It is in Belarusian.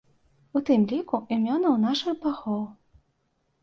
У тым ліку імёнаў нашых багоў.